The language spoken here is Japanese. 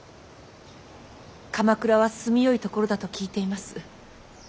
鎌倉は住みよい所だと聞いています。